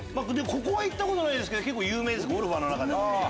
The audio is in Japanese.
ここは行ったことないですけど有名ですゴルファーの中では。